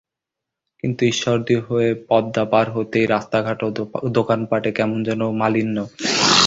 কিন্তু ঈশ্বরদী হয়ে পদ্মা পার হতেই রাস্তাঘাট ও দোকানপাটে কেমন যেন মালিন্য।